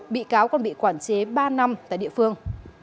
bị cáo còn bị quản chế ba năm tại địa phương